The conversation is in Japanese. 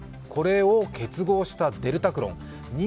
これを結合したデルタクロン。